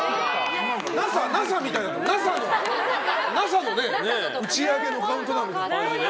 ＮＡＳＡみたいなＮＡＳＡの打ち上げのカウントダウンみたい。